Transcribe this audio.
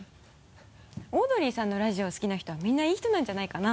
オードリーさんのラジオ好きな人はみんないい人なんじゃないかな？